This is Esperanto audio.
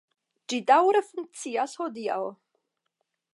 Ĝi daŭre funkcias hodiaŭ.